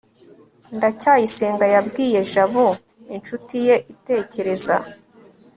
ndacyayisenga yabwiye jabo inshuti ye itekereza